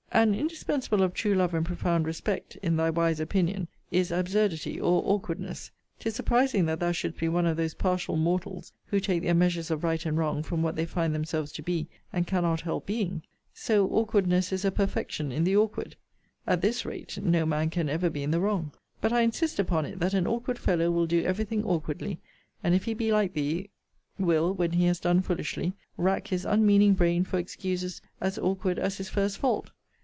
An indispensable of true love and profound respect, in thy wise opinion,* is absurdity or awkwardness. 'Tis surprising that thou shouldst be one of those partial mortals who take their measures of right and wrong from what they find themselves to be, and cannot help being! So awkwardness is a perfection in the awkward! At this rate, no man ever can be in the wrong. But I insist upon it, that an awkward fellow will do every thing awkwardly: and, if he be like thee, will, when he has done foolishly, rack his unmeaning brain for excuses as awkward as his first fault.